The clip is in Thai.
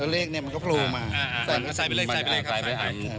เลขมันก็พรูมาใส่ไปเลยครับประมาณนี้